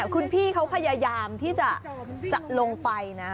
คุณพี่เขาพยายามที่จะลงไปนะ